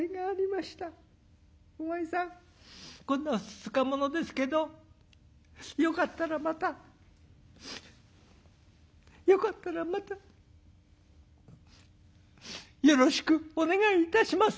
お前さんこんなふつつか者ですけどよかったらまたよかったらまたよろしくお願いいたします」。